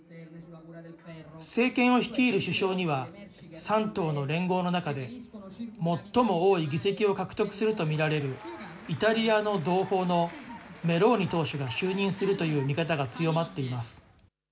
政権を率いる首相には、３党の連合の中で、最も多い議席を獲得すると見られるイタリアの同胞のメローニ党首が就任するという見方が強まっています。